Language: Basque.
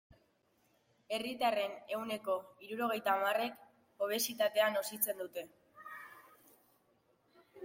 Herritarren ehuneko hirurogeita hamarrek obesitatea nozitzen dute.